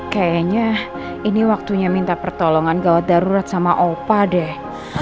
kayaknya ini waktunya minta pertolongan gawat darurat sama opa deh